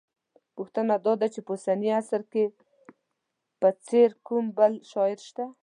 پوښتنه دا ده چې په اوسني عصر کې په څېر کوم بل شاعر شته